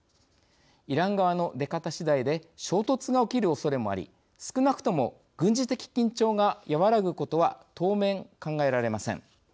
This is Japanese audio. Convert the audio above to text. イラン側の出方しだいで衝突が起きるおそれもあり少なくとも軍事的緊張が和らぐことは当面考えられません。